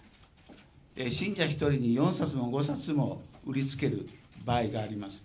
信者１人に４冊も５冊も売りつける場合があります。